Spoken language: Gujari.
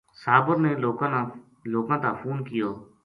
صابر نے لوکاں تا فون کیو